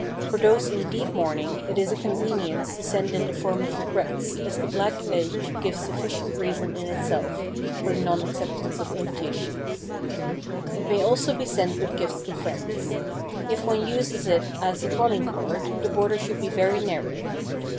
For those in deep mourning it is a convenience to send in the form of regrets, as the black edge gives sufficient reason in itself for the non acceptance of invitations. It may also be sent with gifts to friends. If one uses it as a calling card the border should be very narrow.